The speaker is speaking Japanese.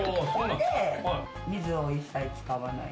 水を一切使わない。